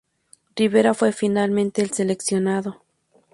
Rivera fue finalmente el seleccionado.